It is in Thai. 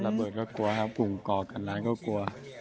เบิก็กลัวครับกลุ่มก่อกันร้านก็กลัว